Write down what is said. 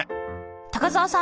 高沢さん